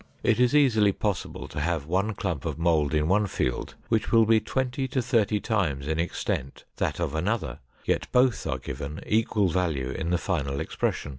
It is easily possible to have one clump of mold in one field which will be twenty to thirty times in extent that of another, yet both are given equal value in the final expression.